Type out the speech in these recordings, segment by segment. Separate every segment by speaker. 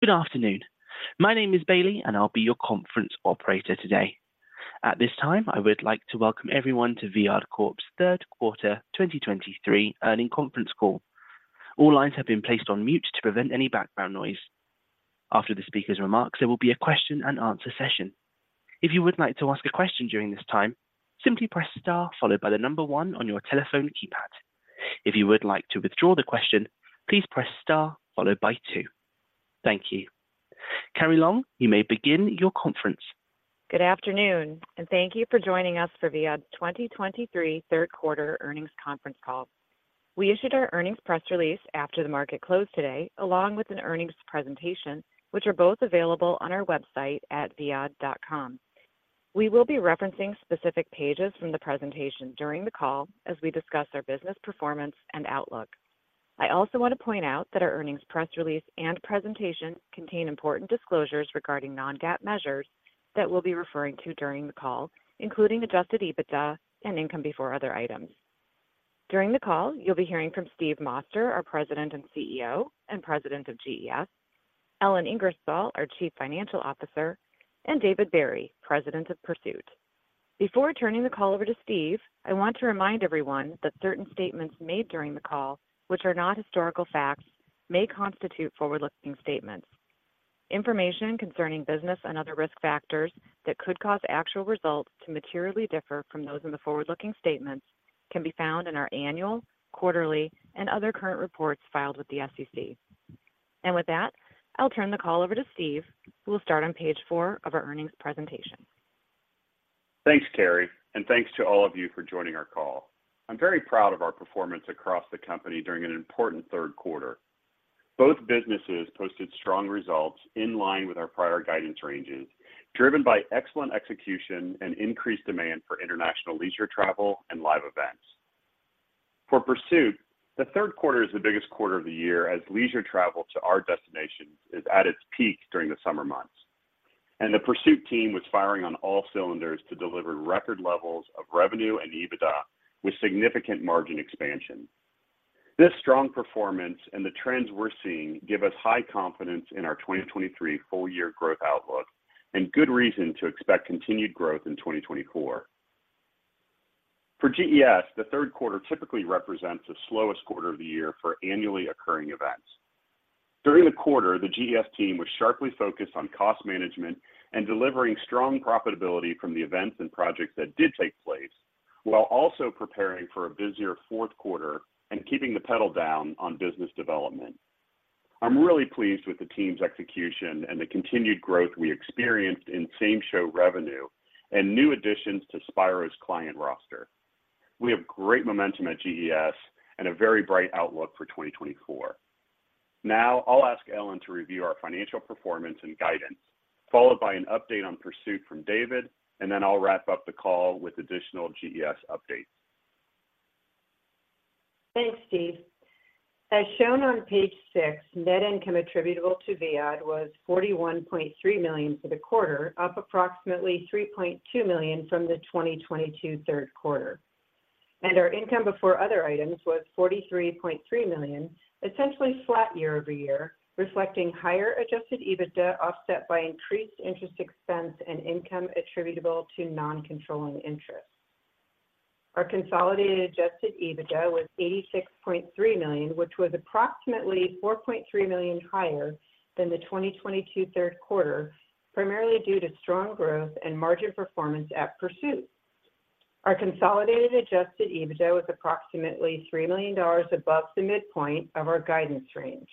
Speaker 1: Good afternoon. My name is Bailey, and I'll be your conference operator today. At this time, I would like to welcome everyone to Viad Corp's third quarter 2023 Earnings Conference Call. All lines have been placed on mute to prevent any background noise. After the speaker's remarks, there will be a question-and-answer session. If you would like to ask a question during this time, simply press Star followed by the number one on your telephone keypad. If you would like to withdraw the question, please press Star followed by two. Thank you. Carrie Long, you may begin your conference.
Speaker 2: Good afternoon, and thank you for joining us for Viad's 2023 third quarter earnings conference call. We issued our earnings press release after the market closed today, along with an earnings presentation, which are both available on our website at viad.com. We will be referencing specific pages from the presentation during the call as we discuss our business performance and outlook. I also want to point out that our earnings press release and presentation contain important disclosures regarding non-GAAP measures that we'll be referring to during the call, including Adjusted EBITDA and Income Before Other Items. During the call, you'll be hearing from Steve Moster, our President and CEO and President of GES, Ellen Ingersoll, our Chief Financial Officer, and David Barry, President of Pursuit. Before turning the call over to Steve, I want to remind everyone that certain statements made during the call, which are not historical facts, may constitute forward-looking statements. Information concerning business and other risk factors that could cause actual results to materially differ from those in the forward-looking statements can be found in our annual, quarterly, and other current reports filed with the SEC. With that, I'll turn the call over to Steve, who will start on page four of our earnings presentation.
Speaker 3: Thanks, Carrie, and thanks to all of you for joining our call. I'm very proud of our performance across the company during an important third quarter. Both businesses posted strong results in line with our prior guidance ranges, driven by excellent execution and increased demand for international leisure travel and live events. For Pursuit, the third quarter is the biggest quarter of the year, as leisure travel to our destinations is at its peak during the summer months, and the Pursuit team was firing on all cylinders to deliver record levels of revenue and EBITDA with significant margin expansion. This strong performance and the trends we're seeing give us high confidence in our 2023 full year growth outlook and good reason to expect continued growth in 2024. For GES, the third quarter typically represents the slowest quarter of the year for annually occurring events. During the quarter, the GES team was sharply focused on cost management and delivering strong profitability from the events and projects that did take place, while also preparing for a busier fourth quarter and keeping the pedal down on business development. I'm really pleased with the team's execution and the continued growth we experienced in same-show revenue and new additions to Spiro's client roster. We have great momentum at GES and a very bright outlook for 2024. Now, I'll ask Ellen to review our financial performance and guidance, followed by an update on Pursuit from David, and then I'll wrap up the call with additional GES updates.
Speaker 4: Thanks, Steve. As shown on page 6, net income attributable to Viad was $41.3 million for the quarter, up approximately $3.2 million from the 2022 third quarter. Our income before other items was $43.3 million, essentially flat year-over-year, reflecting higher Adjusted EBITDA, offset by increased interest expense and income attributable to non-controlling interest. Our consolidated Adjusted EBITDA was $86.3 million, which was approximately $4.3 million higher than the 2022 third quarter, primarily due to strong growth and margin performance at Pursuit. Our consolidated Adjusted EBITDA was approximately $3 million above the midpoint of our guidance range.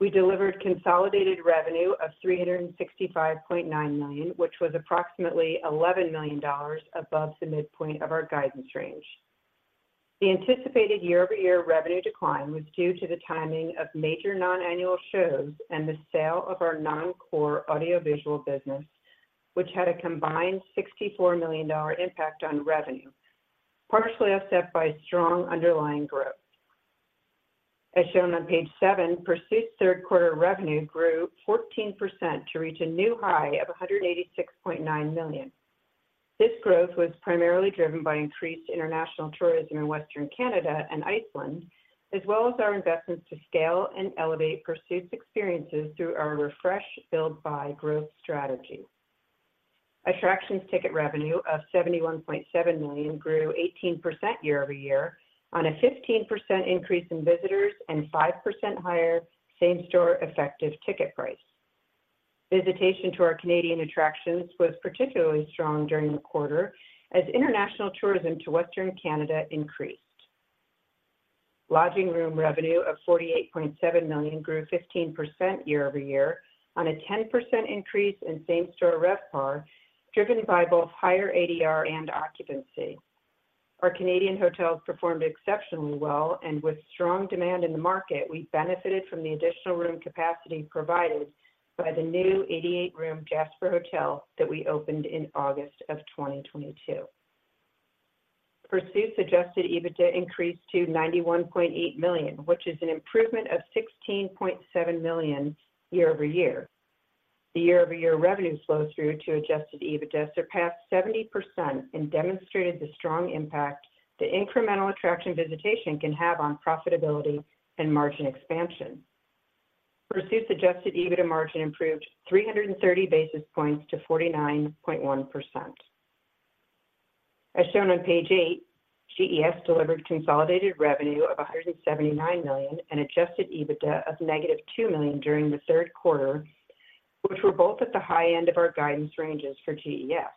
Speaker 4: We delivered consolidated revenue of $365.9 million, which was approximately $11 million above the midpoint of our guidance range. The anticipated year-over-year revenue decline was due to the timing of major non-annual shows and the sale of our non-core audiovisual business, which had a combined $64 million impact on revenue, partially offset by strong underlying growth. As shown on page seven, Pursuit's third quarter revenue grew 14% to reach a new high of $186.9 million. This growth was primarily driven by increased international tourism in Western Canada and Iceland, as well as our investments to scale and elevate Pursuit's experiences through our refreshed Build-Buy growth strategy. Attractions ticket revenue of $71.7 million grew 18% year-over-year on a 15% increase in visitors and 5% higher same-store effective ticket price. Visitation to our Canadian attractions was particularly strong during the quarter as international tourism to Western Canada increased. Lodging room revenue of $48.7 million grew 15% year-over-year on a 10% increase in same-store RevPAR, driven by both higher ADR and occupancy. Our Canadian hotels performed exceptionally well, and with strong demand in the market, we benefited from the additional room capacity provided by the new 88-room Forest Park Hotel that we opened in August 2022. Pursuit's Adjusted EBITDA increased to $91.8 million, which is an improvement of $16.7 million year-over-year. The year-over-year revenue flow through to Adjusted EBITDA surpassed 70% and demonstrated the strong impact the incremental attraction visitation can have on profitability and margin expansion. Pursuit's Adjusted EBITDA margin improved 330 basis points to 49.1%. As shown on page eight, GES delivered consolidated revenue of $179 million and Adjusted EBITDA of -$2 million during the third quarter, which were both at the high end of our guidance ranges for GES.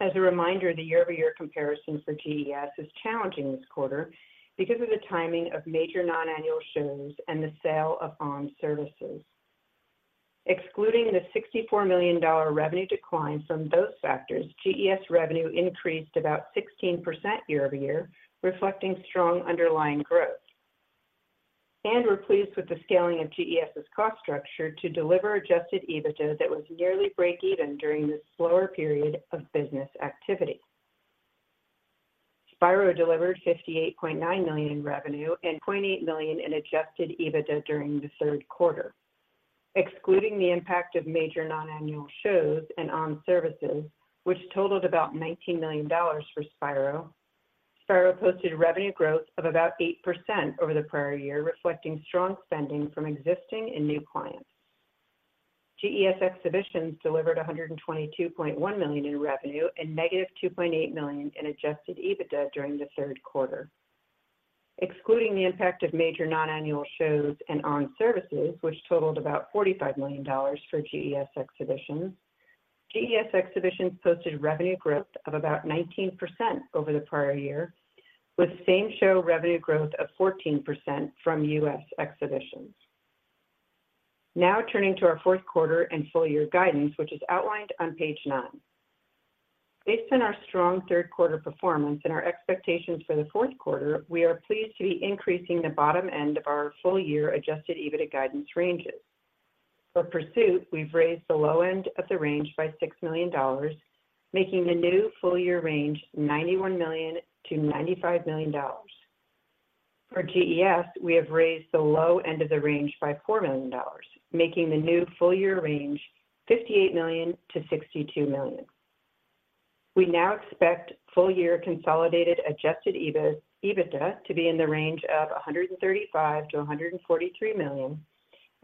Speaker 4: As a reminder, the year-over-year comparison for GES is challenging this quarter because of the timing of major non-annual shows and the sale of on-services. Excluding the $64 million revenue decline from those factors, GES revenue increased about 16% year-over-year, reflecting strong underlying growth. And we're pleased with the scaling of GES's cost structure to deliver Adjusted EBITDA that was nearly break even during this slower period of business activity. Spiro delivered $58.9 million in revenue and $0.8 million in Adjusted EBITDA during the third quarter. Excluding the impact of major non-annual shows and on-services, which totaled about $19 million for Spiro, Spiro posted revenue growth of about 8% over the prior year, reflecting strong spending from existing and new clients. GES Exhibitions delivered $122.1 million in revenue, and -$2.8 million in Adjusted EBITDA during the third quarter. Excluding the impact of major non-annual shows and on-services, which totaled about $45 million for GES Exhibitions, GES Exhibitions posted revenue growth of about 19% over the prior year, with same-show revenue growth of 14% from U.S. Exhibitions. Now turning to our fourth quarter and full year guidance, which is outlined on page nine. Based on our strong third quarter performance and our expectations for the fourth quarter, we are pleased to be increasing the bottom end of our full year Adjusted EBITDA guidance ranges. For Pursuit, we've raised the low end of the range by $6 million, making the new full year range $91 million-$95 million. For GES, we have raised the low end of the range by $4 million, making the new full year range $58 million-$62 million. We now expect full year consolidated Adjusted EBITDA to be in the range of $135 million-$143 million,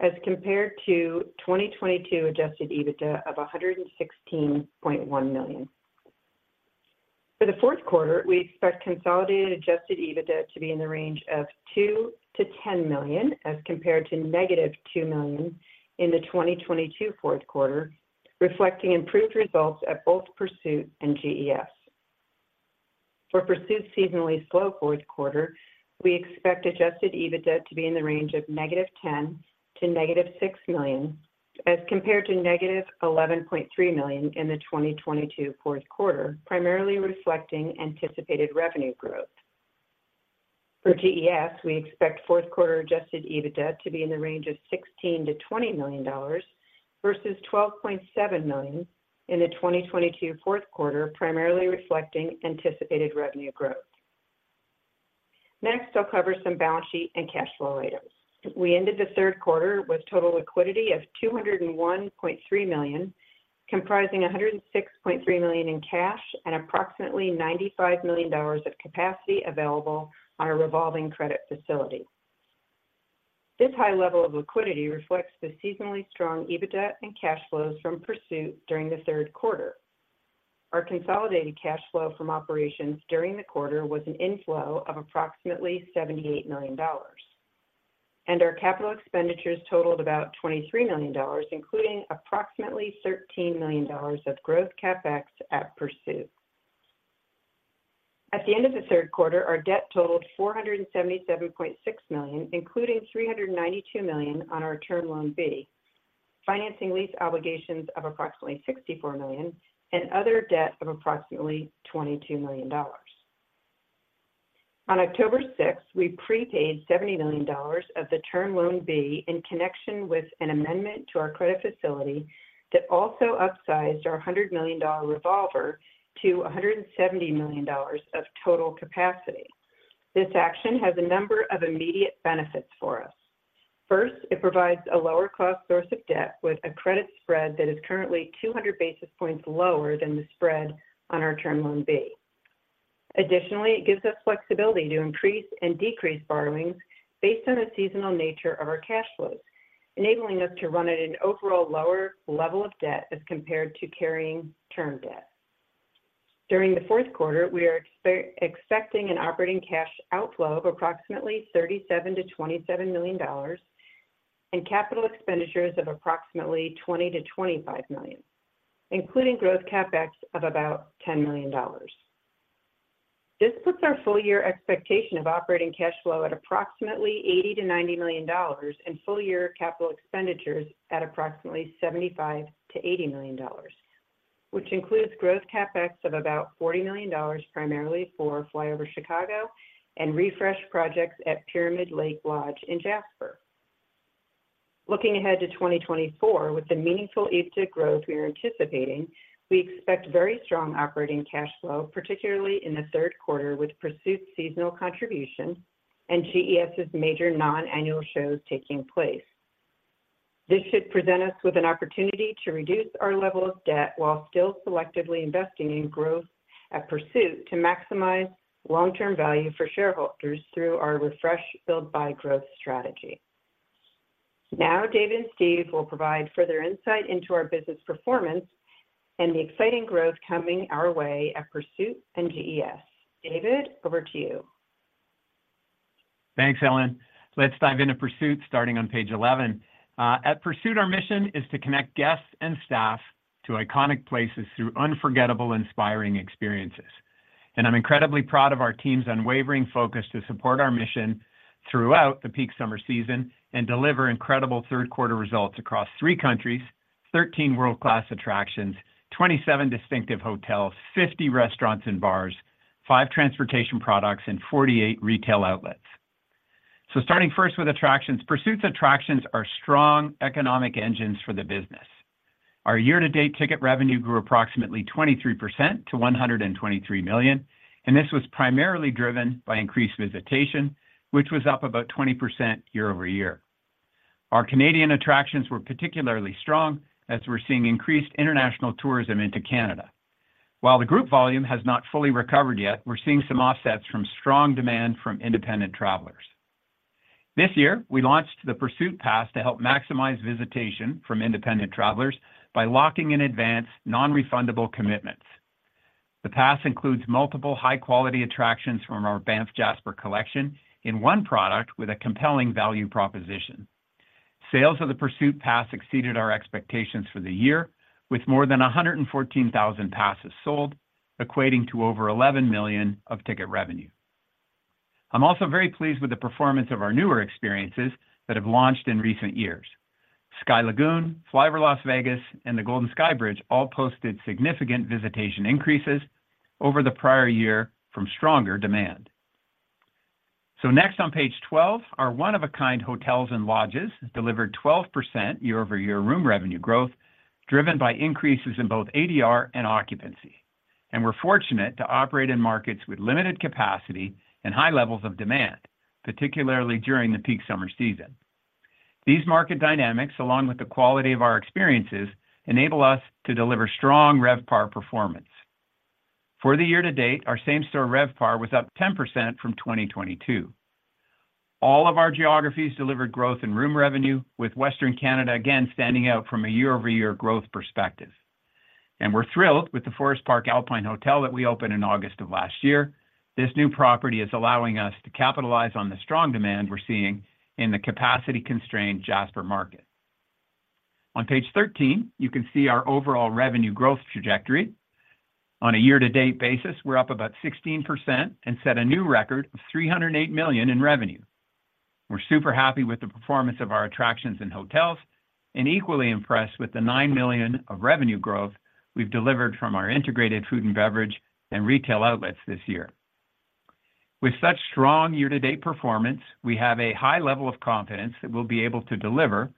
Speaker 4: as compared to 2022 Adjusted EBITDA of $116.1 million. For the fourth quarter, we expect consolidated Adjusted EBITDA to be in the range of $2 million-$10 million, as compared to -$2 million in the 2022 fourth quarter, reflecting improved results at both Pursuit and GES. For Pursuit's seasonally slow fourth quarter, we expect Adjusted EBITDA to be in the range of -$10 million to -$6 million, as compared to -$11.3 million in the 2022 fourth quarter, primarily reflecting anticipated revenue growth. For GES, we expect fourth quarter Adjusted EBITDA to be in the range of $16 million-$20 million versus $12.7 million in the 2022 fourth quarter, primarily reflecting anticipated revenue growth. Next, I'll cover some balance sheet and cash flow items. We ended the third quarter with total liquidity of $201.3 million, comprising $106.3 million in cash and approximately $95 million of capacity available on our revolving credit facility. This high level of liquidity reflects the seasonally strong EBITDA and cash flows from Pursuit during the third quarter. Our consolidated cash flow from operations during the quarter was an inflow of approximately $78 million, and our capital expenditures totaled about $23 million, including approximately $13 million of growth CapEx at Pursuit. At the end of the third quarter, our debt totaled $477.6 million, including $392 million on our Term Loan B, financing lease obligations of approximately $64 million, and other debt of approximately $22 million. On October 6, we prepaid $70 million of the Term Loan B in connection with an amendment to our credit facility that also upsized our $100 million revolver to $170 million of total capacity. This action has a number of immediate benefits for us. First, it provides a lower-cost source of debt with a credit spread that is currently 200 basis points lower than the spread on our Term Loan B. Additionally, it gives us flexibility to increase and decrease borrowings based on the seasonal nature of our cash flows, enabling us to run at an overall lower level of debt as compared to carrying term debt. During the fourth quarter, we are expecting an operating cash outflow of approximately $27 million-$37 million, and capital expenditures of approximately $20 million-$25 million, including growth CapEx of about $10 million. This puts our full-year expectation of operating cash flow at approximately $80 million-$90 million, and full-year capital expenditures at approximately $75 million-$80 million, which includes growth CapEx of about $40 million, primarily for FlyOver Chicago and refresh projects at Pyramid Lake Lodge in Jasper. Looking ahead to 2024, with the meaningful EBITDA growth we are anticipating, we expect very strong operating cash flow, particularly in the third quarter, with Pursuit's seasonal contribution and GES's major non-annual shows taking place. This should present us with an opportunity to reduce our level of debt while still selectively investing in growth at Pursuit to maximize long-term value for shareholders through our Refresh Build Buy growth strategy. Now, David and Steve will provide further insight into our business performance and the exciting growth coming our way at Pursuit and GES. David, over to you.
Speaker 5: Thanks, Ellen. Let's dive into Pursuit, starting on page 11. At Pursuit, our mission is to connect guests and staff to iconic places through unforgettable, inspiring experiences. I'm incredibly proud of our team's unwavering focus to support our mission throughout the peak summer season and deliver incredible third-quarter results across three countries, 13 world-class attractions, 27 distinctive hotels, 50 restaurants and bars, five transportation products, and 48 retail outlets. Starting first with attractions, Pursuit's attractions are strong economic engines for the business. Our year-to-date ticket revenue grew approximately 23% to $123 million, and this was primarily driven by increased visitation, which was up about 20% year-over-year. Our Canadian attractions were particularly strong as we're seeing increased international tourism into Canada. While the group volume has not fully recovered yet, we're seeing some offsets from strong demand from independent travelers. This year, we launched the Pursuit Pass to help maximize visitation from independent travelers by locking in advance non-refundable commitments. The pass includes multiple high-quality attractions from our Banff Jasper Collection in one product with a compelling value proposition. Sales of the Pursuit Pass exceeded our expectations for the year, with more than 114,000 passes sold, equating to over $11 million of ticket revenue. I'm also very pleased with the performance of our newer experiences that have launched in recent years. Sky Lagoon, FlyOver Las Vegas, and the Golden Skybridge all posted significant visitation increases over the prior year from stronger demand. Next on page 12, our one-of-a-kind hotels and lodges delivered 12% year-over-year room revenue growth, driven by increases in both ADR and occupancy. We're fortunate to operate in markets with limited capacity and high levels of demand, particularly during the peak summer season. These market dynamics, along with the quality of our experiences, enable us to deliver strong RevPAR performance. For the year-to-date, our same-store RevPAR was up 10% from 2022. All of our geographies delivered growth in-room revenue, with Western Canada again standing out from a year-over-year growth perspective. We're thrilled with the Forest Park Alpine Hotel that we opened in August of last year. This new property is allowing us to capitalize on the strong demand we're seeing in the capacity-constrained Jasper market. On page 13, you can see our overall revenue growth trajectory. On a year-to-date basis, we're up about 16% and set a new record of $308 million in revenue. We're super happy with the performance of our attractions and hotels, and equally impressed with the $9 million of revenue growth we've delivered from our integrated food and beverage and retail outlets this year. With such strong year-to-date performance, we have a high level of confidence that we'll be able to deliver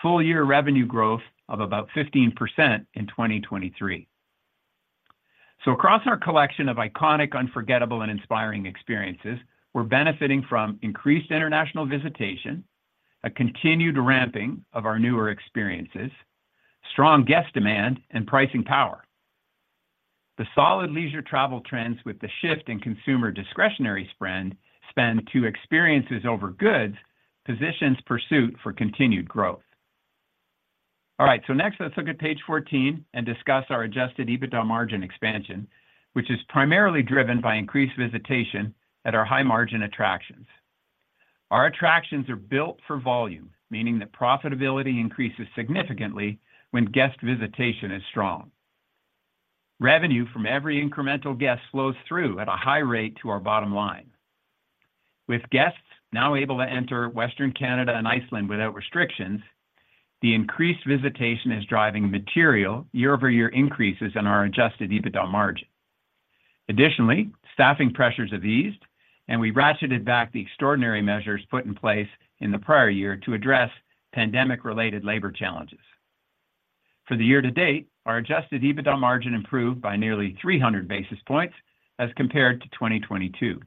Speaker 5: full-year revenue growth of about 15% in 2023. So across our collection of iconic, unforgettable, and inspiring experiences, we're benefiting from increased international visitation, a continued ramping of our newer experiences, strong guest demand, and pricing power. The solid leisure travel trends with the shift in consumer discretionary spend, spend to experiences over goods, positions Pursuit for continued growth. All right, so next, let's look at page 14 and discuss our Adjusted EBITDA margin expansion, which is primarily driven by increased visitation at our high-margin attractions. Our attractions are built for volume, meaning that profitability increases significantly when guest visitation is strong. Revenue from every incremental guest flows through at a high rate to our bottom line. With guests now able to enter Western Canada and Iceland without restrictions, the increased visitation is driving material year-over-year increases in our Adjusted EBITDA margin. Additionally, staffing pressures have eased, and we ratcheted back the extraordinary measures put in place in the prior year to address pandemic-related labor challenges. For the year to date, our Adjusted EBITDA margin improved by nearly 300 basis points as compared to 2022.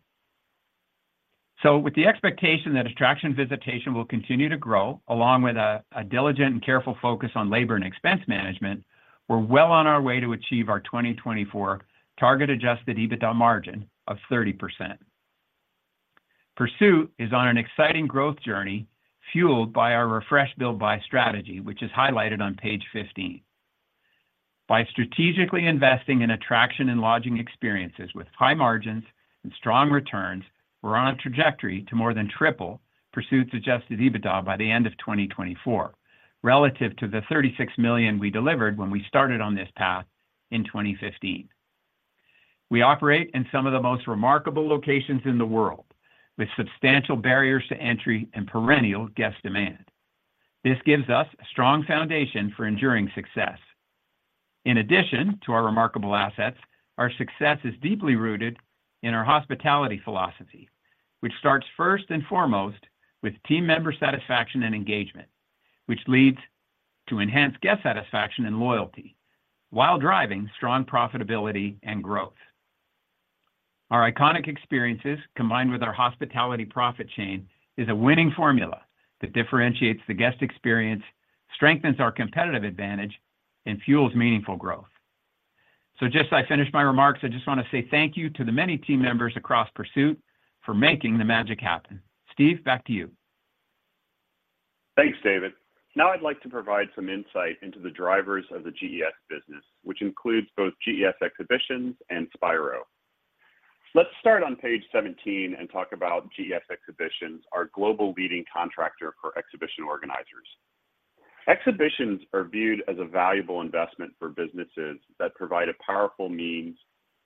Speaker 5: So with the expectation that attraction visitation will continue to grow, along with a diligent and careful focus on labor and expense management, we're well on our way to achieve our 2024 target Adjusted EBITDA margin of 30%. Pursuit is on an exciting growth journey, fueled by our Refresh Build Buy strategy, which is highlighted on page 15. By strategically investing in attraction and lodging experiences with high margins and strong returns, we're on a trajectory to more than triple Pursuit's Adjusted EBITDA by the end of 2024, relative to the $36 million we delivered when we started on this path in 2015. We operate in some of the most remarkable locations in the world, with substantial barriers to entry and perennial guest demand. This gives us a strong foundation for enduring success. In addition to our remarkable assets, our success is deeply rooted in our hospitality philosophy, which starts first and foremost with team member satisfaction and engagement, which leads to enhanced guest satisfaction and loyalty. While driving strong profitability and growth. Our iconic experiences, combined with our hospitality profit chain, is a winning formula that differentiates the guest experience, strengthens our competitive advantage, and fuels meaningful growth. So just as I finish my remarks, I just want to say thank you to the many team members across Pursuit for making the magic happen. Steve, back to you.
Speaker 3: Thanks, David. Now I'd like to provide some insight into the drivers of the GES business, which includes both GES Exhibitions and Spiro. Let's start on page 17 and talk about GES Exhibitions, our global leading contractor for exhibition organizers. Exhibitions are viewed as a valuable investment for businesses that provide a powerful means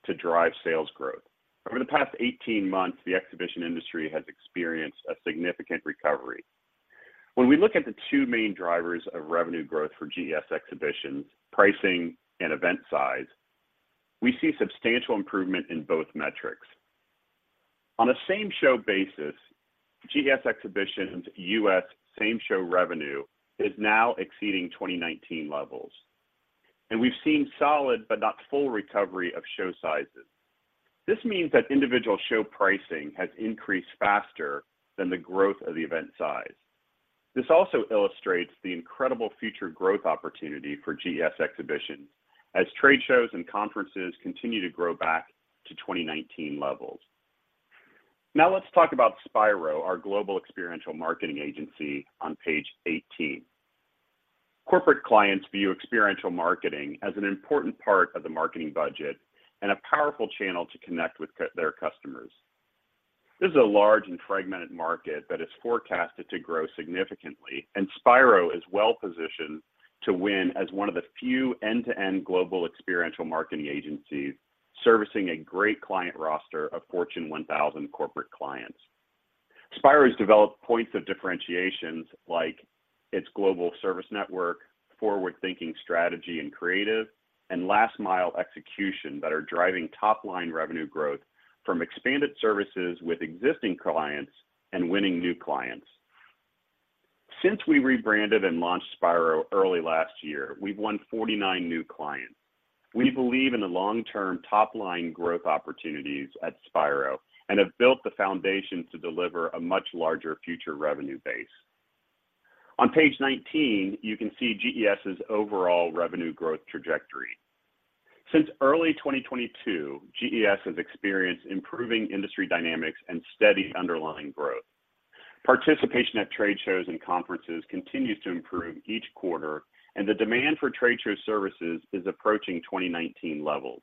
Speaker 3: to drive sales growth. Over the past 18 months, the exhibition industry has experienced a significant recovery. When we look at the two main drivers of revenue growth for GES Exhibitions, pricing and event size, we see substantial improvement in both metrics. On a same-show basis, GES Exhibitions' U.S. same-show revenue is now exceeding 2019 levels, and we've seen solid but not full recovery of show sizes. This means that individual show pricing has increased faster than the growth of the event size. This also illustrates the incredible future growth opportunity for GES Exhibitions as trade shows and conferences continue to grow back to 2019 levels. Now let's talk about Spiro, our global experiential marketing agency, on page 18. Corporate clients view experiential marketing as an important part of the marketing budget and a powerful channel to connect with their customers. This is a large and fragmented market that is forecasted to grow significantly, and Spiro is well positioned to win as one of the few end-to-end global experiential marketing agencies, servicing a great client roster of Fortune 1000 corporate clients. Spiro has developed points of differentiations like its global service network, forward-thinking strategy and creative, and last-mile execution that are driving top-line revenue growth from expanded services with existing clients and winning new clients. Since we rebranded and launched Spiro early last year, we've won 49 new clients. We believe in the long-term top-line growth opportunities at Spiro and have built the foundation to deliver a much larger future revenue base. On page 19, you can see GES's overall revenue growth trajectory. Since early 2022, GES has experienced improving industry dynamics and steady underlying growth. Participation at trade shows and conferences continues to improve each quarter, and the demand for trade show services is approaching 2019 levels.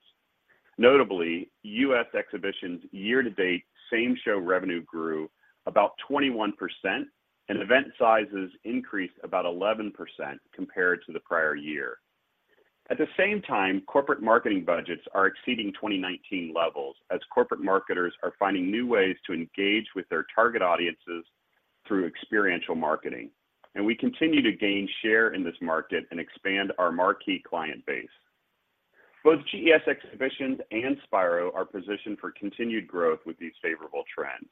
Speaker 3: Notably, U.S. Exhibitions' year-to-date same-show revenue grew about 21%, and event sizes increased about 11% compared to the prior year. At the same time, corporate marketing budgets are exceeding 2019 levels, as corporate marketers are finding new ways to engage with their target audiences through experiential marketing, and we continue to gain share in this market and expand our marquee client base. Both GES Exhibitions and Spiro are positioned for continued growth with these favorable trends.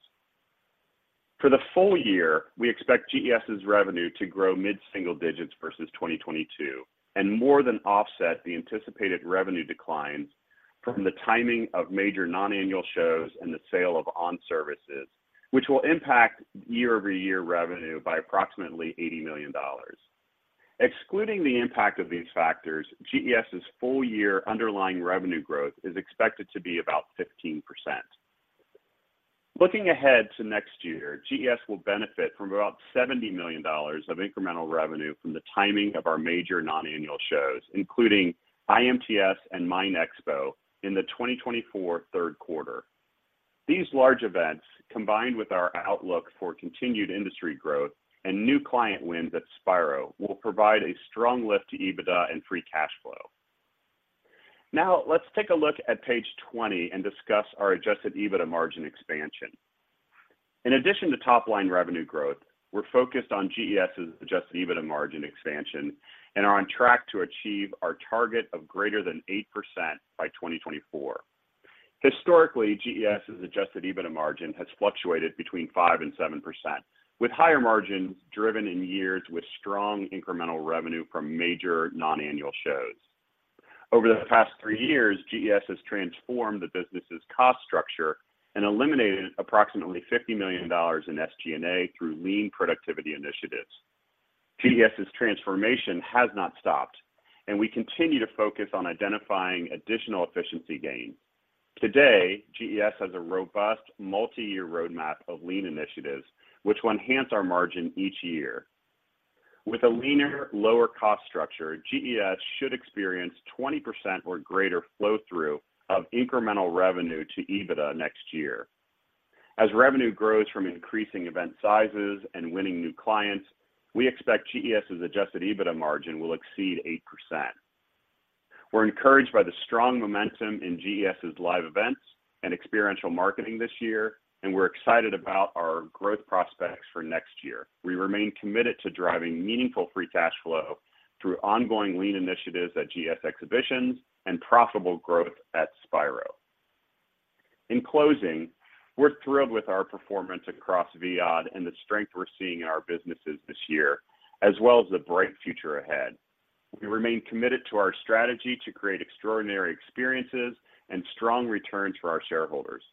Speaker 3: For the full year, we expect GES's revenue to grow mid-single digits versus 2022, and more than offset the anticipated revenue declines from the timing of major non-annual shows and the sale of own services, which will impact year-over-year revenue by approximately $80 million. Excluding the impact of these factors, GES's full-year underlying revenue growth is expected to be about 15%. Looking ahead to next year, GES will benefit from about $70 million of incremental revenue from the timing of our major non-annual shows, including IMTS and MINExpo, in the 2024 third quarter. These large events, combined with our outlook for continued industry growth and new client wins at Spiro, will provide a strong lift to EBITDA and free cash flow. Now, let's take a look at page 20 and discuss our Adjusted EBITDA margin expansion. In addition to top-line revenue growth, we're focused on GES's Adjusted EBITDA margin expansion and are on track to achieve our target of greater than 8% by 2024. Historically, GES's Adjusted EBITDA margin has fluctuated between 5%-7%, with higher margins driven in years with strong incremental revenue from major non-annual shows. Over the past 3 years, GES has transformed the business's cost structure and eliminated approximately $50 million in SG&A through Lean productivity initiatives. GES's transformation has not stopped, and we continue to focus on identifying additional efficiency gains. Today, GES has a robust multi-year roadmap of Lean initiatives, which will enhance our margin each year. With a leaner, lower cost structure, GES should experience 20% or greater flow-through of incremental revenue to EBITDA next year. As revenue grows from increasing event sizes and winning new clients, we expect GES's Adjusted EBITDA margin will exceed 8%. We're encouraged by the strong momentum in GES's live events and experiential marketing this year, and we're excited about our growth prospects for next year. We remain committed to driving meaningful free cash flow through ongoing lean initiatives at GES Exhibitions and profitable growth at Spiro.... In closing, we're thrilled with our performance across Viad and the strength we're seeing in our businesses this year, as well as the bright future ahead. We remain committed to our strategy to create extraordinary experiences and strong returns for our shareholders.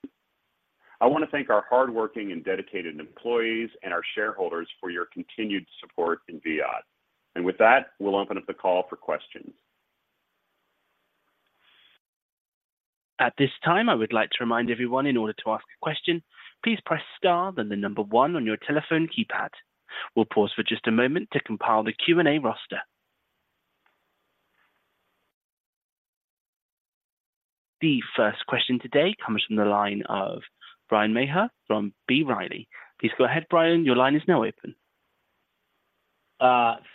Speaker 3: I want to thank our hardworking and dedicated employees and our shareholders for your continued support in Viad. And with that, we'll open up the call for questions.
Speaker 1: At this time, I would like to remind everyone, in order to ask a question, please press Star, then the number 1 on your telephone keypad. We'll pause for just a moment to compile the Q&A roster. The first question today comes from the line of Bryan Maher from B. Riley. Please go ahead, Bryan, your line is now open.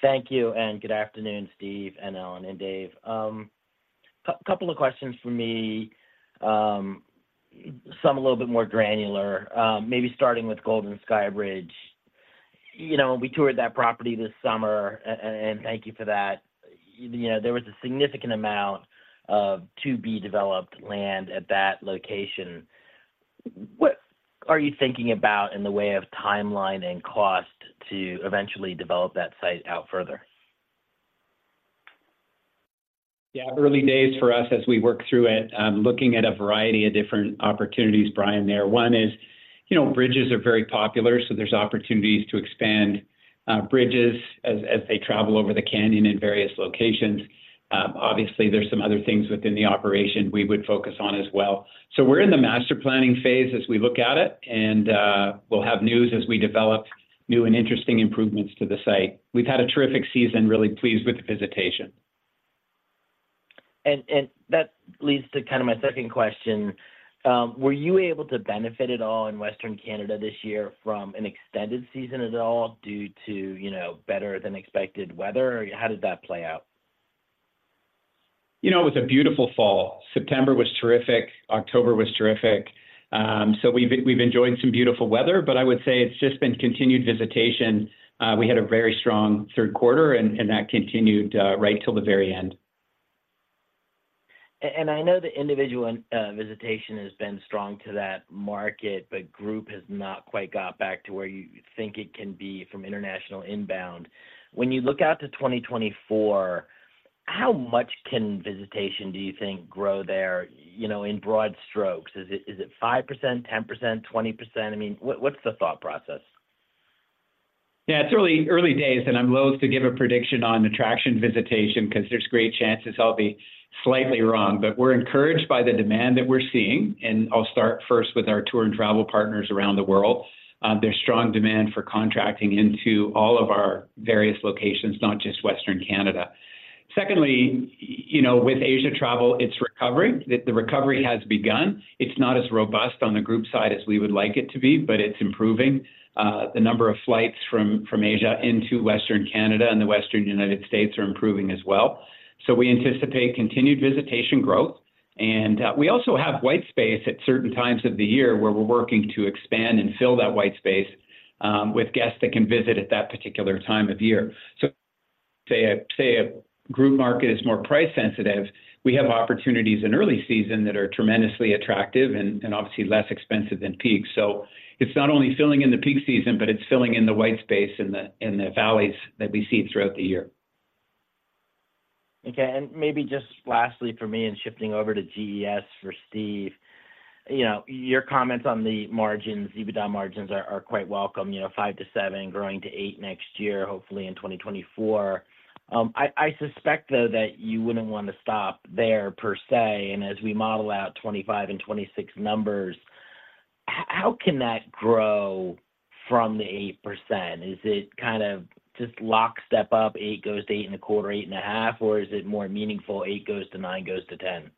Speaker 6: Thank you, and good afternoon, Steve, Ellen, and David. A couple of questions from me, some little bit more granular, maybe starting with Golden Skybridge. You know, we toured that property this summer, and thank you for that. You know, there was a significant amount of to-be-developed land at that location. What are you thinking about in the way of timeline and cost to eventually develop that site out further?
Speaker 5: Yeah, early days for us as we work through it. I'm looking at a variety of different opportunities, Bryan, there. One is, you know, bridges are very popular, so there's opportunities to expand bridges as they travel over the canyon in various locations. Obviously, there's some other things within the operation we would focus on as well. So we're in the master planning phase as we look at it, and we'll have news as we develop new and interesting improvements to the site. We've had a terrific season, really pleased with the visitation.
Speaker 6: That leads to kind of my second question. Were you able to benefit at all in Western Canada this year from an extended season at all due to, you know, better-than-expected weather? Or how did that play out?
Speaker 5: You know, it was a beautiful fall. September was terrific, October was terrific. So we've enjoyed some beautiful weather, but I would say it's just been continued visitation. We had a very strong third quarter, and that continued right till the very end.
Speaker 6: And I know the individual visitation has been strong to that market, but group has not quite got back to where you think it can be from international inbound. When you look out to 2024, how much can visitation, do you think, grow there, you know, in broad strokes? Is it, is it 5%, 10%, 20%? I mean, what's the thought process?
Speaker 5: Yeah, it's early, early days, and I'm loath to give a prediction on attraction visitation because there's a great chance I'll be slightly wrong. But we're encouraged by the demand that we're seeing, and I'll start first with our tour and travel partners around the world. There's strong demand for contracting into all of our various locations, not just Western Canada. Secondly, you know, with Asia travel, it's recovering. The recovery has begun. It's not as robust on the group side as we would like it to be, but it's improving. The number of flights from Asia into Western Canada and the Western United States are improving as well. So we anticipate continued visitation growth, and we also have white space at certain times of the year where we're working to expand and fill that white space with guests that can visit at that particular time of year. So say a group market is more price sensitive, we have opportunities in early season that are tremendously attractive and obviously less expensive than peak. So it's not only filling in the peak season, but it's filling in the white space in the valleys that we see throughout the year.
Speaker 6: Okay, and maybe just lastly for me and shifting over to GES for Steve. You know, your comments on the margins, EBITDA margins are, are quite welcome, you know, 5%-7%, growing to 8% next year, hopefully in 2024. I suspect, though, that you wouldn't want to stop there per se, and as we model out 2025 and 2026 numbers, how can that grow from the 8%? Is it kind of just lock step up, 8% goes to 8.25%, 8.5%, or is it more meaningful, 8% goes to 9%, goes to 10%?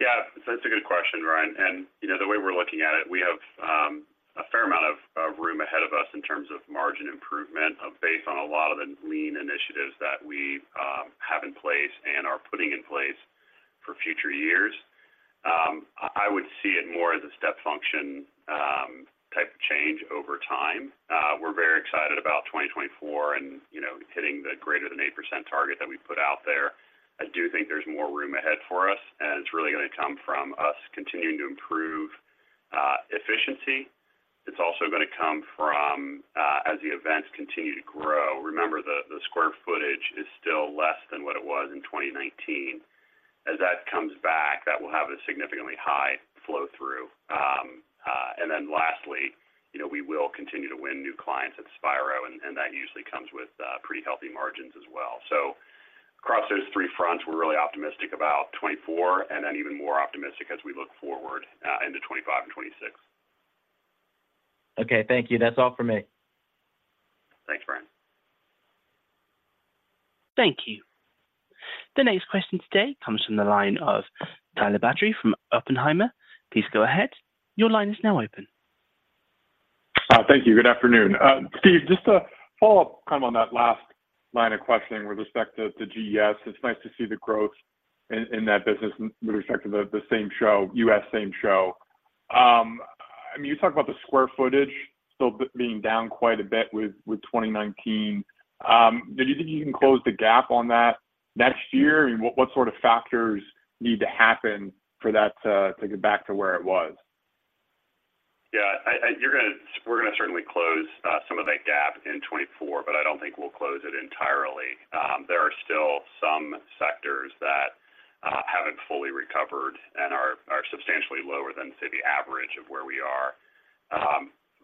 Speaker 3: Yeah, so that's a good question, Bryan. And, you know, the way we're looking at it, we have a fair amount of room ahead of us in terms of margin improvement, based on a lot of the Lean Initiatives that we have in place and are putting in place for future years. I would see it more as a step function type of change over time. We're very excited about 2024 and, you know, hitting the greater than 8% target that we put out there. I do think there's more room ahead for us, and it's really gonna come from us continuing to improve efficiency. It's also gonna come from, as the events continue to grow, remember, the square footage is still less than what it was in 2019. As that comes back, that will have a significantly high flow-through. And then lastly, you know, we will continue to win new clients at Spiro, and that usually comes with pretty healthy margins as well. So across those three fronts, we're really optimistic about 2024, and then even more optimistic as we look forward into 2025 and 2026.
Speaker 6: Okay. Thank you. That's all for me.
Speaker 3: Thanks, Bryan.
Speaker 1: Thank you. The next question today comes from the line of Tyler Batory from Oppenheimer. Please go ahead. Your line is now open.
Speaker 7: Thank you. Good afternoon. Steve, just to follow up kind of on that last line of questioning with respect to the GES, it's nice to see the growth in that business with respect to the same show, US same show. I mean, you talk about the square footage still being down quite a bit with 2019. Do you think you can close the gap on that next year? And what sort of factors need to happen for that to get back to where it was?
Speaker 3: Yeah, we're gonna certainly close some of that gap in 2024, but I don't think we'll close it entirely. There are still some sectors that haven't fully recovered and are substantially lower than, say, the average of where we are.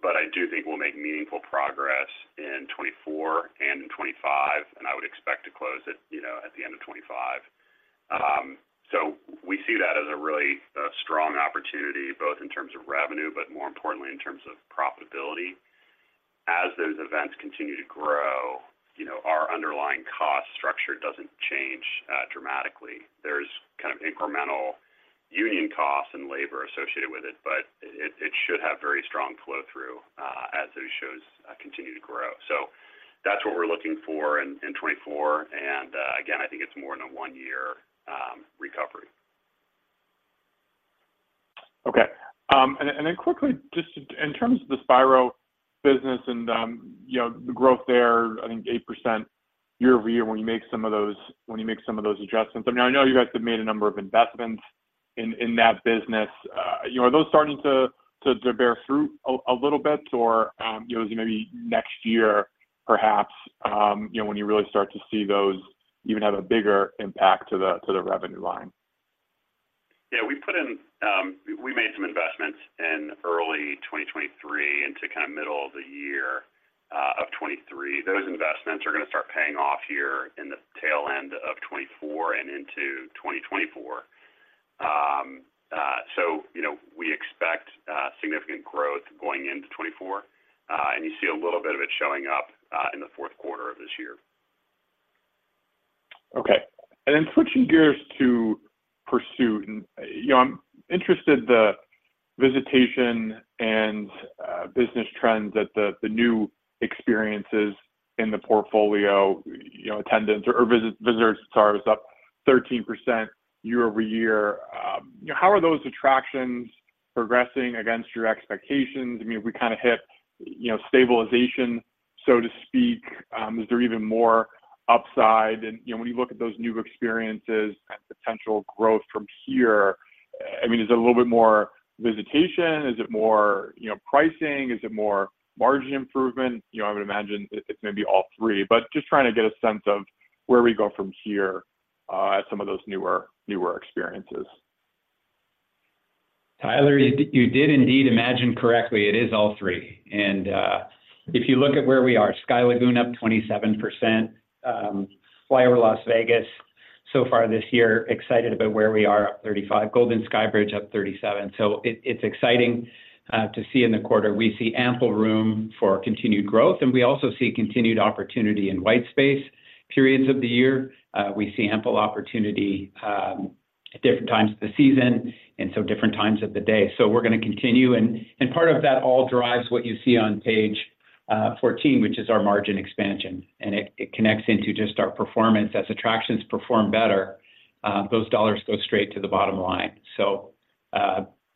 Speaker 3: But I do think we'll make meaningful progress in 2024 and in 2025, and I would expect to close it, you know, at the end of 2025. So we see that as a really strong opportunity, both in terms of revenue, but more importantly, in terms of profitability. As those events continue to grow, you know, our underlying cost structure doesn't change dramatically. There's kind of incremental union costs and labor associated with it, but it should have very strong flow-through as those shows continue to grow. That's what we're looking for in 2024, and again, I think it's more in a one-year recovery.
Speaker 7: Okay. And then, and then quickly, just in terms of the Spiro business and, you know, the growth there, I think 8% year-over-year, when you make some of those, when you make some of those adjustments. I mean, I know you guys have made a number of investments in, in that business. You know, are those starting to, to, to bear fruit a, a little bit, or, you know, maybe next year, perhaps, you know, when you really start to see those even have a bigger impact to the, to the revenue line?
Speaker 3: Yeah, we made some investments in early 2023 into kind of middle of the year, of 2023. Those investments are gonna start paying off here in the tail end of 2024 and into 2024. So, you know, we expect significant growth going into 2024, and you see a little bit of it showing up in the fourth quarter of this year.
Speaker 7: Okay. And then switching gears to Pursuit. And, you know, I'm interested in the visitation and business trends that the new experiences in the portfolio, you know, attendance or visitors charge is up 13% year-over-year. How are those attractions progressing against your expectations? I mean, we kind of hit, you know, stabilization, so to speak. Is there even more upside? And, you know, when you look at those new experiences and potential growth from here, I mean, is it a little bit more visitation? Is it more, you know, pricing? Is it more margin improvement? You know, I would imagine it's maybe all three, but just trying to get a sense of where we go from here at some of those newer experiences.
Speaker 5: Tyler, you did, you did indeed imagine correctly. It is all three. And, if you look at where we are, Sky Lagoon up 27%. FlyOver Las Vegas, so far this year, excited about where we are, up 35%. Golden Skybridge, up 37%. So it, it's exciting, to see in the quarter. We see ample room for continued growth, and we also see continued opportunity in white space periods of the year. We see ample opportunity, at different times of the season and so different times of the day. So we're gonna continue, and, part of that all drives what you see on page 14, which is our margin expansion, and it, it connects into just our performance. As attractions perform better, those dollars go straight to the bottom line. So,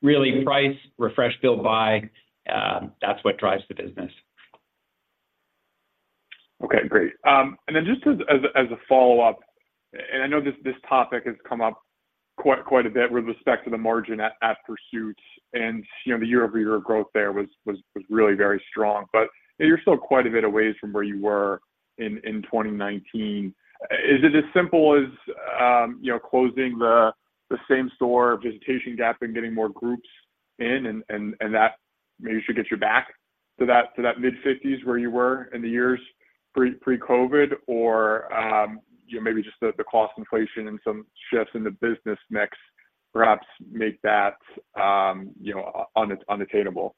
Speaker 5: really, price, refresh, build, buy, that's what drives the business.
Speaker 7: Okay, great. And then just as a follow-up, and I know this topic has come up quite a bit with respect to the margin at Pursuit. And, you know, the year-over-year growth there was really very strong, but you're still quite a bit ways from where you were in 2019. Is it as simple as, you know, closing the same store visitation gap and getting more groups in, and that maybe should get you back to that mid-fifties where you were in the years pre-COVID? Or, you know, maybe just the cost inflation and some shifts in the business mix perhaps make that unattainable?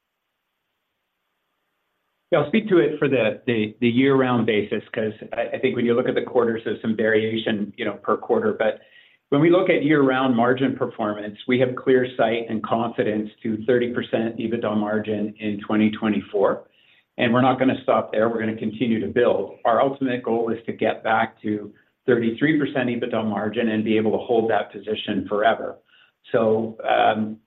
Speaker 5: Yeah. I'll speak to it for the year-round basis, 'cause I think when you look at the quarters, there's some variation, you know, per quarter. But when we look at year-round margin performance, we have clear sight and confidence to 30% EBITDA margin in 2024, and we're not gonna stop there. We're gonna continue to build. Our ultimate goal is to get back to 33% EBITDA margin and be able to hold that position forever. So,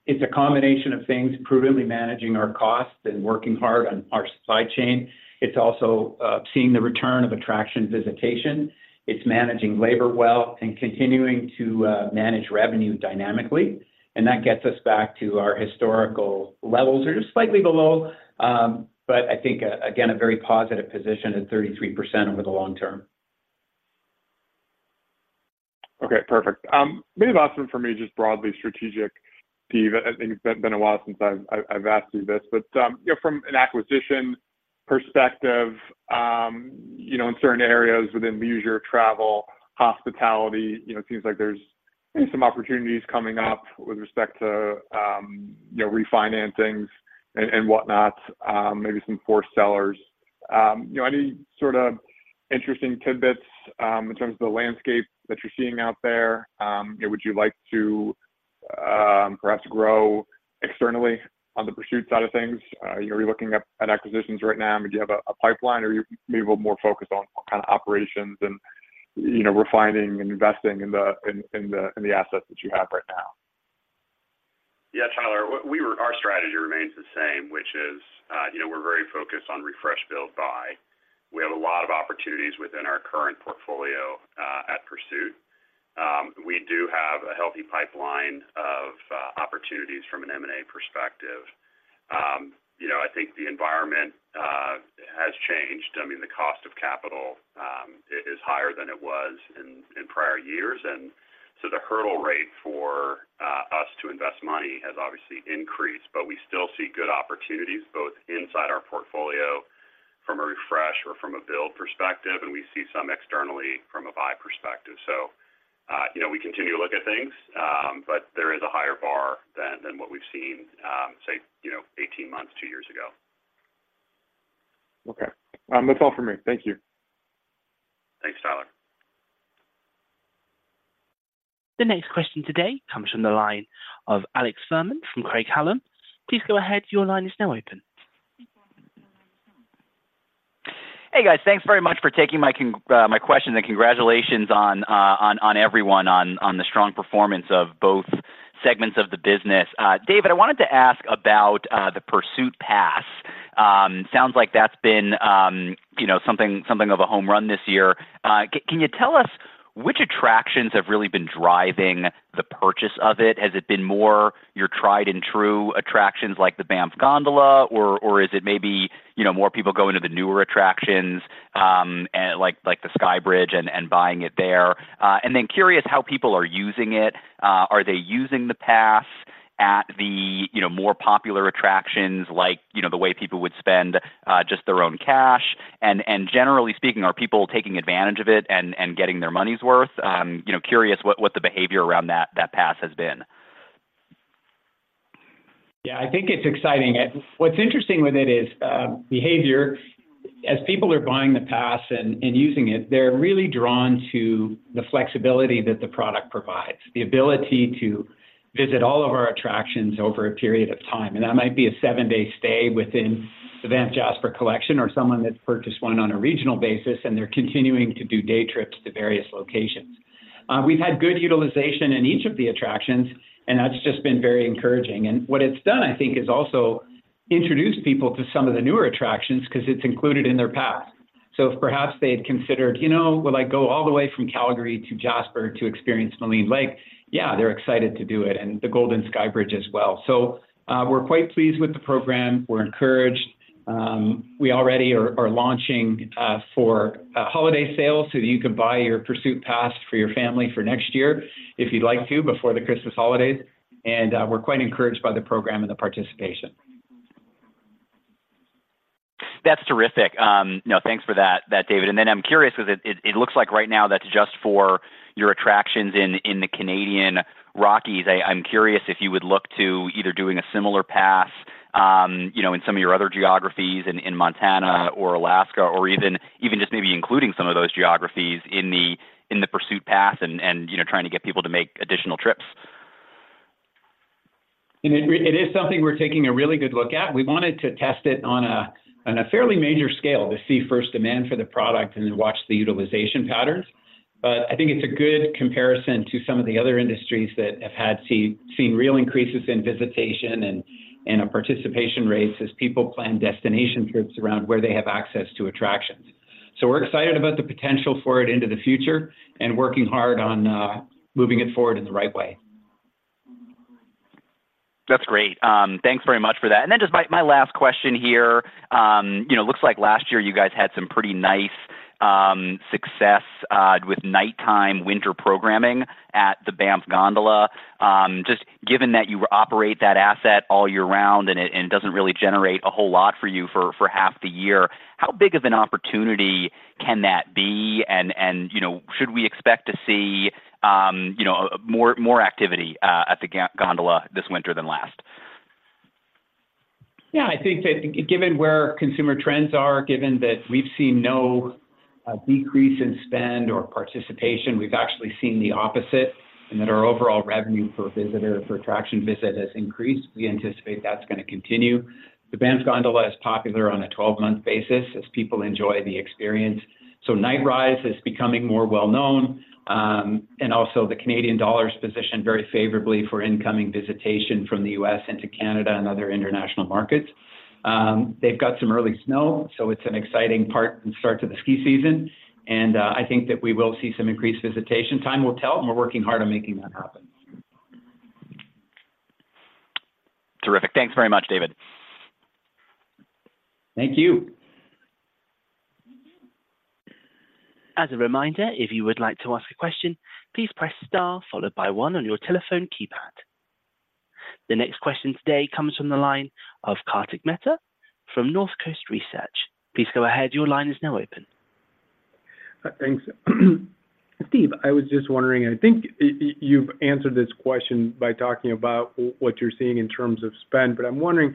Speaker 5: it's a combination of things, prudently managing our costs and working hard on our supply chain. It's also seeing the return of attraction visitation. It's managing labor well and continuing to manage revenue dynamically, and that gets us back to our historical levels. They're just slightly below, but I think, again, a very positive position at 33% over the long term.
Speaker 7: Okay, perfect. Maybe last one for me, just broadly strategic, Steve. I think it's been a while since I've asked you this, but, you know, from an acquisition perspective, you know, in certain areas within leisure, travel, hospitality, you know, it seems like there's maybe some opportunities coming up with respect to, you know, refinancings and whatnot, maybe some forced sellers. You know, any sort of interesting tidbits, in terms of the landscape that you're seeing out there? Would you like to, perhaps grow externally on the Pursuit side of things? Are you looking at acquisitions right now? I mean, do you have a pipeline, or are you maybe more focused on kind of operations and you know, refining and investing in the assets that you have right now?
Speaker 3: Yeah, Tyler, our strategy remains the same, which is, you know, we're very focused on refresh, build, buy. We have a lot of opportunities within our current portfolio, at Pursuit. We do have a healthy pipeline of, opportunities from an M&A perspective. You know, I think the environment, has changed. I mean, the cost of capital, is higher than it was in prior years, and so the hurdle rate for, us to invest money has obviously increased. But we still see good opportunities, both inside our portfolio from a refresh or from a build perspective, and we see some externally from a buy perspective. So, you know, we continue to look at things, but there is a higher bar than what we've seen, say, you know, 18 months, 2 years ago.
Speaker 7: Okay. That's all for me. Thank you.
Speaker 5: Thanks, Tyler.
Speaker 1: The next question today comes from the line of Alex Fuhrman from Craig-Hallum. Please go ahead. Your line is now open.
Speaker 8: Hey, guys. Thanks very much for taking my question, and congratulations on everyone on the strong performance of both segments of the business. David, I wanted to ask about the Pursuit Pass. Sounds like that's been you know, something of a home run this year. Can you tell us which attractions have really been driving the purchase of it? Has it been more your tried-and-true attractions, like the Banff Gondola, or is it maybe, you know, more people going to the newer attractions, and like the Sky Bridge and buying it there? And then curious how people are using it. Are they using the pass at the you know, more popular attractions, like you know, the way people would spend just their own cash? Generally speaking, are people taking advantage of it and getting their money's worth? You know, curious what the behavior around that pass has been.
Speaker 5: Yeah, I think it's exciting. And what's interesting with it is behavior. As people are buying the pass and using it, they're really drawn to the flexibility that the product provides, the ability to visit all of our attractions over a period of time. And that might be a seven-day stay within the Banff Jasper Collection, or someone that's purchased one on a regional basis, and they're continuing to do day trips to various locations. We've had good utilization in each of the attractions, and that's just been very encouraging. And what it's done, I think, is also introduced people to some of the newer attractions 'cause it's included in their pass. So if perhaps they had considered, "You know, will I go all the way from Calgary to Jasper to experience Maligne Lake?" Yeah, they're excited to do it, and the Golden Skybridge as well. We're quite pleased with the program. We're encouraged. We already are launching for a holiday sale so that you can buy your Pursuit Pass for your family for next year, if you'd like to, before the Christmas holidays. We're quite encouraged by the program and the participation.
Speaker 8: That's terrific. You know, thanks for that, David. Then I'm curious, 'cause it looks like right now that's just for your attractions in the Canadian Rockies. I'm curious if you would look to either doing a similar pass, you know, in some of your other geographies in Montana or Alaska, or even just maybe including some of those geographies in the Pursuit Pass and, you know, trying to get people to make additional trips.
Speaker 5: It is, it is something we're taking a really good look at. We wanted to test it on a fairly major scale to see first demand for the product and then watch the utilization patterns. But I think it's a good comparison to some of the other industries that have had seen real increases in visitation and participation rates as people plan destination trips around where they have access to attractions. So we're excited about the potential for it into the future and working hard on moving it forward in the right way.
Speaker 8: That's great. Thanks very much for that. And then just my last question here, you know, looks like last year you guys had some pretty nice success with nighttime winter programming at the Banff Gondola. Just given that you operate that asset all year round, and it doesn't really generate a whole lot for you for half the year, how big of an opportunity can that be? And you know, should we expect to see you know, more activity at the Banff Gondola this winter than last?
Speaker 5: Yeah, I think that given where consumer trends are, given that we've seen no decrease in spend or participation, we've actually seen the opposite, and that our overall revenue per visitor, per attraction visit has increased. We anticipate that's gonna continue. The Banff Gondola is popular on a 12-month basis as people enjoy the experience. So Night Rise is becoming more well known, and also the Canadian dollar is positioned very favorably for incoming visitation from the U.S. into Canada and other international markets. They've got some early snow, so it's an exciting part and start to the ski season, and I think that we will see some increased visitation. Time will tell, and we're working hard on making that happen.
Speaker 8: Terrific. Thanks very much, David.
Speaker 5: Thank you.
Speaker 1: As a reminder, if you would like to ask a question, please press star followed by one on your telephone keypad. The next question today comes from the line of Kartik Mehta from Northcoast Research. Please go ahead. Your line is now open.
Speaker 9: Thanks. Steve, I was just wondering... I think you've answered this question by talking about what you're seeing in terms of spend, but I'm wondering,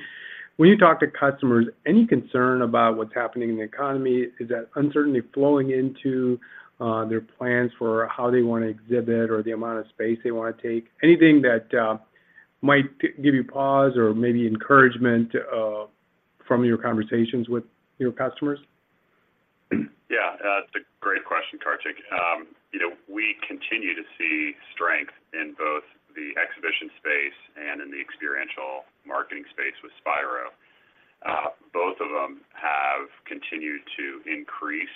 Speaker 9: when you talk to customers, any concern about what's happening in the economy? Is that uncertainty flowing into their plans for how they wanna exhibit or the amount of space they wanna take? Anything that might give you pause or maybe encouragement from your conversations with your customers?
Speaker 3: Yeah, it's a great question, Kartik. You know, we continue to see strength in both the exhibition space and in the experiential marketing space with Spiro. Both of them have continued to increase,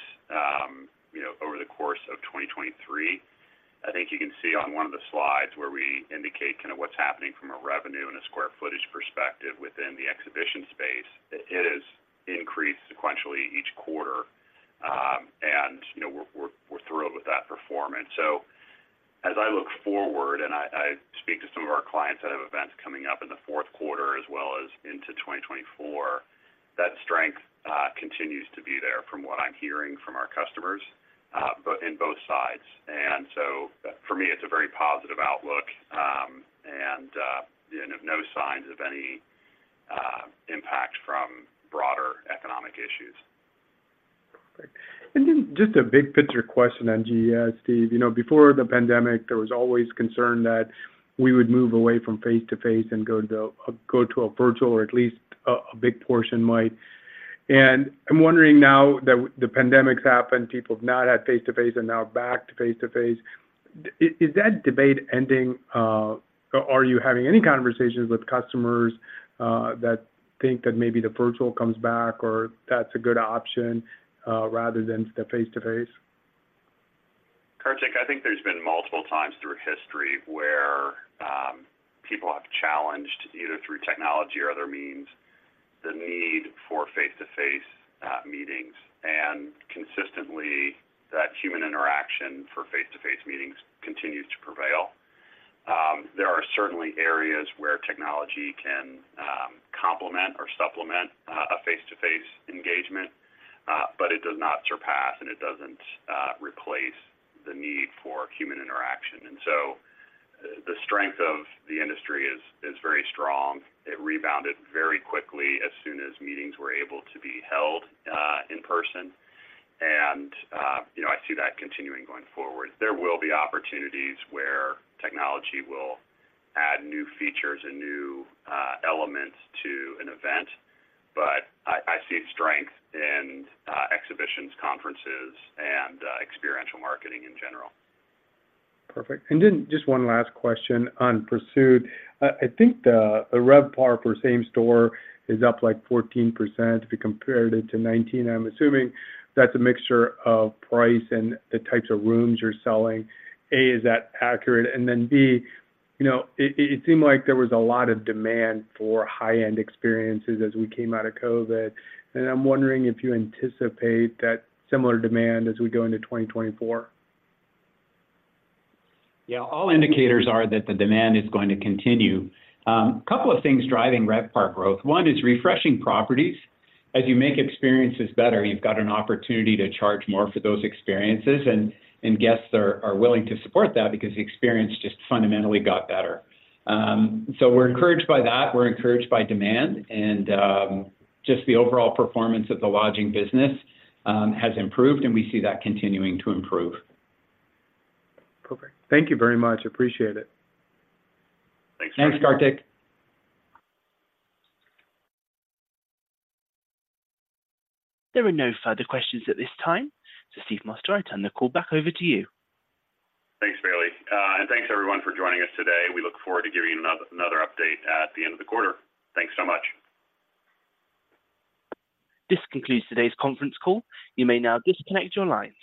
Speaker 3: you know, over the course of 2023. I think you can see on one of the slides where we indicate kind of what's happening from a revenue and a square footage perspective within the exhibition space. It has increased sequentially each quarter, and, you know, we're thrilled with that performance. So as I look forward, and I speak to some of our clients that have events coming up in the fourth quarter as well as into 2024, that strength continues to be there from what I'm hearing from our customers, but in both sides. And so for me, it's a very positive outlook, and of no signs of any impact from broader economic issues.
Speaker 9: Perfect. And then just a big picture question on GES, Steve. You know, before the pandemic, there was always concern that we would move away from face-to-face and go to a, go to a virtual, or at least a, a big portion might. And I'm wondering now that the pandemic's happened, people have not had face-to-face and now back to face-to-face, is that debate ending? Are you having any conversations with customers that think that maybe the virtual comes back or that's a good option rather than the face-to-face?
Speaker 3: Kartik, I think there's been multiple times through history where, people have challenged, either through technology or other means, the need for face-to-face, meetings. And consistently, that human interaction for face-to-face meetings continues to prevail. There are certainly areas where technology can, complement or supplement, a face-to-face engagement, but it does not surpass, and it doesn't, replace the need for human interaction. And so the strength of the industry is very strong. It rebounded very quickly as soon as meetings were able to be held, in person. And, you know, I see that continuing going forward. There will be opportunities where technology will add new features and new, elements to an event, but I see strength in, exhibitions, conferences, and, experiential marketing in general.
Speaker 9: Perfect. And then just one last question on Pursuit. I think the RevPAR per same store is up, like, 14% if you compared it to 2019. I'm assuming that's a mixture of price and the types of rooms you're selling. A, is that accurate? And then, B, you know, it seemed like there was a lot of demand for high-end experiences as we came out of COVID, and I'm wondering if you anticipate that similar demand as we go into 2024.
Speaker 5: Yeah, all indicators are that the demand is going to continue. Couple of things driving RevPAR growth. One is refreshing properties. As you make experiences better, you've got an opportunity to charge more for those experiences, and guests are willing to support that because the experience just fundamentally got better. So we're encouraged by that, we're encouraged by demand, and just the overall performance of the lodging business has improved, and we see that continuing to improve.
Speaker 9: Perfect. Thank you very much. Appreciate it.
Speaker 5: Thanks, Kartik.
Speaker 1: There are no further questions at this time. Steve Moster, I turn the call back over to you.
Speaker 3: Thanks, Bailey. Thanks everyone for joining us today. We look forward to giving you another, another update at the end of the quarter. Thanks so much.
Speaker 1: This concludes today's conference call. You may now disconnect your lines.